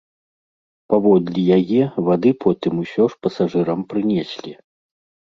Паводле яе, вады потым усё ж пасажырам прынеслі.